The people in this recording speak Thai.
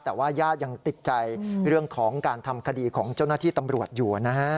แต่ว่าญาติยังติดใจเรื่องของการทำคดีของเจ้าหน้าที่ตำรวจอยู่นะฮะ